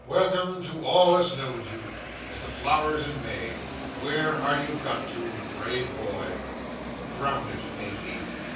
Welcome to all as knowed you, as the flowers in May! Where are you got to, brave boy? Drownded, ain't he?"